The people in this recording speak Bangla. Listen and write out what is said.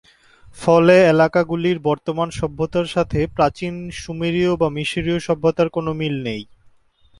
ফলে এলাকাগুলির বর্তমান সভ্যতার সাথে প্রাচীন সুমেরীয় বা মিশরীয় সভ্যতার কোন মিল নেই।